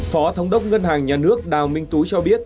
phó thống đốc ngân hàng nhà nước đào minh tú cho biết